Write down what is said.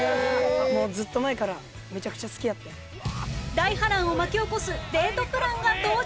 大波乱を巻き起こすデートプランが登場！